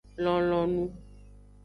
Lonlonu.